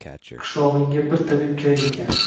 – Qishlog‘ingga bir tabib kerak ekan